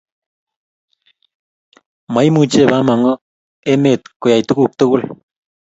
maimuche Bamongo emet koyai tokuk tukul